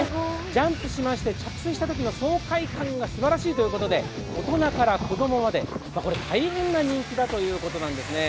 ジャンプしまして着地したときの爽快感がすばらしいということで大人から子供まで大変な人気だということなんですね。